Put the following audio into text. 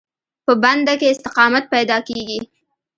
په بنده کې استقامت پیدا کېږي.